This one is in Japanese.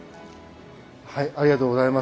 ありがとうございます。